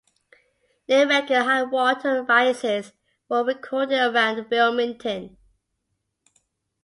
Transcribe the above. Near record high water rises were recorded around Wilmington.